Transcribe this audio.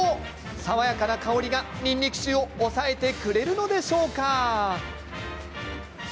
爽やかな香りが、にんにく臭を抑えてくれるのでしょうか。